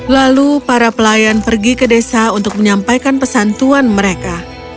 lalu para pelayan pergi ke desa untuk menyampaikan pesan tuan mereka